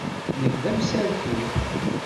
Nekk d amsaltu.